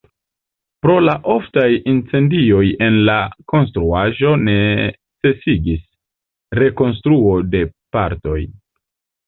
Pro la oftaj incendioj en la konstruaĵo necesigis rekonstruo de partoj.